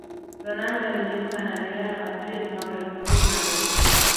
Ronaldo alijiunga na Reala Madrid mwaka elfu mbili na mbili